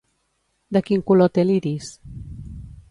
De quin color té l'iris?